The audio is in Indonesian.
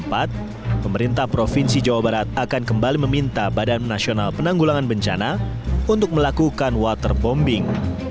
pemerintah provinsi jawa barat akan kembali meminta badan nasional penanggulangan bencana untuk melakukan waterbombing